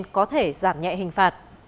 có thể giảm nhẹ hình phạt